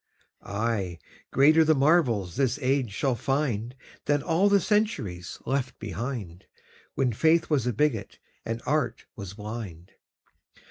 Ay, greater the marvels this age shall find Than all the centuries left behind, When faith was a bigot and art was blind.